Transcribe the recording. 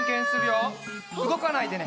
うごかないでね。